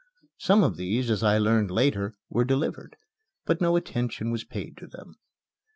Some of these (as I learned later) were delivered, but no attention was paid to them.